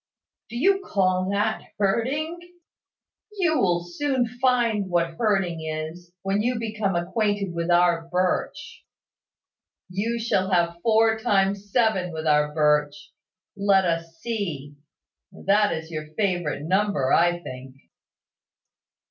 "Do you call that hurting? You will soon find what hurting is, when you become acquainted with our birch. You shall have four times seven with our birch Let us see, that is your favourite number, I think."